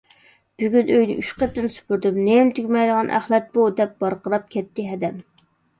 — بۈگۈن ئۆينى ئۈچ قېتىم سۈپۈردۈم، نېمە تۈگىمەيدىغان ئەخلەت بۇ؟ !— دەپ ۋارقىراپ كەتتى ھەدەم.